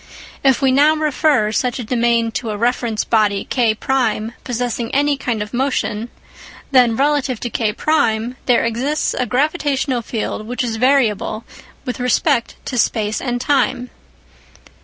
If we now refer such a domain to a reference body K1 possessing any kind of motion, then relative to K1 there exists a gravitational field which is variable with respect to space and time.